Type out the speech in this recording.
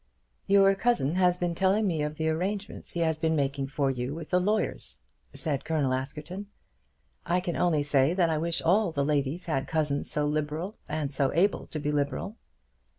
"Your cousin has been telling me of the arrangements he has been making for you with the lawyers," said Colonel Askerton. "I can only say that I wish all the ladies had cousins so liberal, and so able to be liberal."